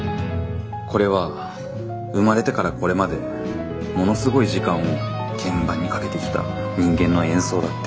これは生まれてからこれまでものすごい時間を鍵盤にかけてきた人間の演奏だって。